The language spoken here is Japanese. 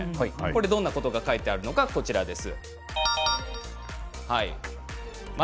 どんなことが書いてあるのかこちらです。